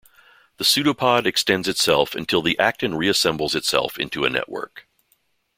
The pseudopod extends itself until the actin reassembles itself into a network.